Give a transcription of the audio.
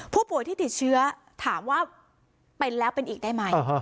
ผู้ป่วยที่ติดเชื้อถามว่าเป็นแล้วเป็นอีกได้ไหม